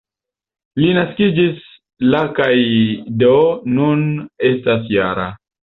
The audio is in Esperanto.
Li naskiĝis la kaj do nun estas -jara.